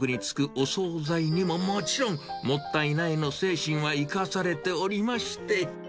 定食につくお総菜にももちろん、もったいないの精神は生かされておりまして。